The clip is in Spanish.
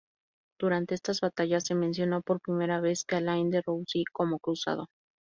Durante estas batallas, se menciona por primera vez a Alain de Roucy como cruzado.